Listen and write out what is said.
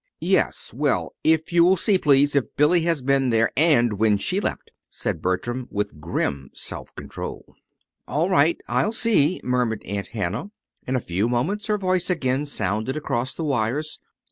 "Yes; well, if you will see, please, if Billy has been there, and when she left," said Bertram, with grim self control. "All right. I'll see," murmured Aunt Hannah. In a few moments her voice again sounded across the wires.